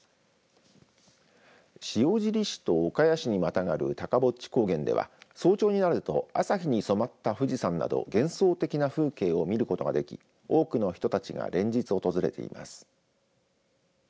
塩尻市と岡谷市にまたがる高ボッチ高原では早朝になると朝日に染まった富士山など幻想的な風景を見ることができ多くの人たちが連日訪れています。